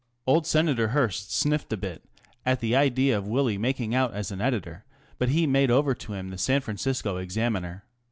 Old Senator Hearst sniffed a bit at the idea of Willie making out as an editor, but he made over to him the San Francisco Exami?ier.